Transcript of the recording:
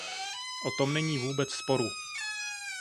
O tom není vůbec sporu.